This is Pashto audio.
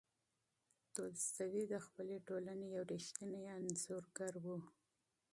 تولستوی د خپلې ټولنې یو ریښتینی انځورګر و.